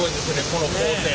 この工程。